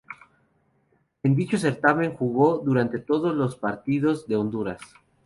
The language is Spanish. En dicho certamen jugó durante todos los partidos de Honduras.